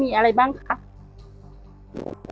มีอะไรบ้างคะ